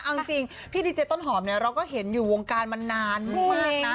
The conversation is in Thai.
เอาจริงพี่ดีเจต้นหอมเนี่ยเราก็เห็นอยู่วงการมานานมากนะ